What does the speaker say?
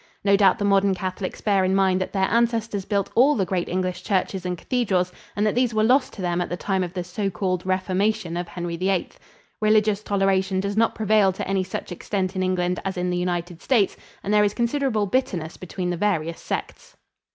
No doubt the modern Catholics bear in mind that their ancestors built all the great English churches and cathedrals and that these were lost to them at the time of the so called Reformation of Henry VIII. Religious toleration does not prevail to any such extent in England as in the United States and there is considerable bitterness between the various sects.